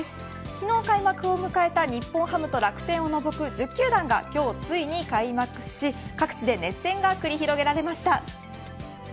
昨日開幕を迎えた日本ハムと楽天を除く１０球団が今日ついに開幕し各地で熱戦が繰り広げられました。